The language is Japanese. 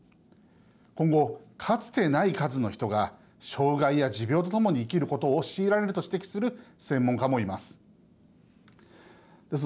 今後、かつてない数の人が障害や持病と共に生きることを強いられると指摘する専門家もいます。